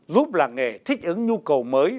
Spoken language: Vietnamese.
giúp làng nghề thích ứng nhu cầu mới